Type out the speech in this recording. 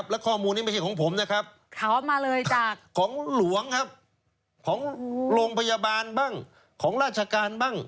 และข้อมูลนี้ไม่ใช่ของผมนะครับขอมาเลยจากของหลวงครับของโรงพยาบาลบ้างของราชการบ้าง